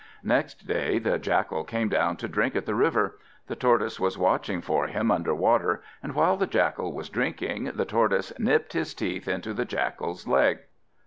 Next day the Jackal came down to drink at the river. The Tortoise was watching for him under water; and while the Jackal was drinking, the Tortoise nipped his teeth into the Jackal's leg.